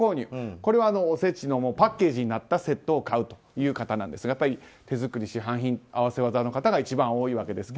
これはおせちのパッケージになったセットを買うという方ですがやっぱり手作りと市販品の合わせ技の方が一番多いわけですが。